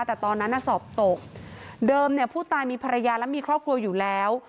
แต่ตอนนั้นน่ะสอบตกเดิมเนี่ยผู้ตายมีภรรยาและมีครอบครัวอยู่แล้ว